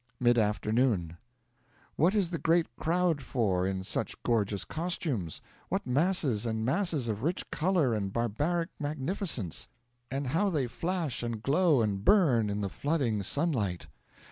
'Mid afternoon.' 'What is the great crowd for, and in such gorgeous costumes? What masses and masses of rich colour and barbaric magnificence! And how they flash and glow and burn in the flooding sunlight!